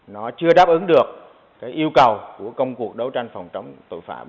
nó chưa đáp ứng được cái yêu cầu của công cuộc đấu tranh phòng chống tội phạm